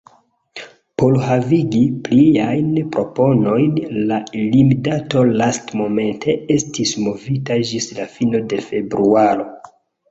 Por havigi pliajn proponojn la limdato lastmomente estis movita ĝis la fino de februaro.